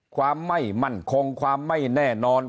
ความไม่มั่นคงความไม่แน่นอน